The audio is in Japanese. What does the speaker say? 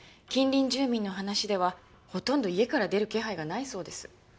近隣住民の話ではほとんど家から出る気配がないそうです。